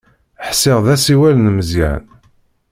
Ḥsiɣ d asiwel n Meẓyan.